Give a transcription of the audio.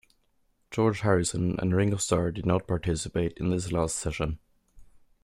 George Harrison and Ringo Starr did not participate in this last session.